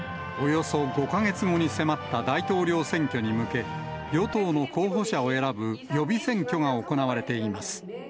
およそ５か月後に迫った大統領選挙に向け、与党の候補者を選ぶ予備選挙が行われています。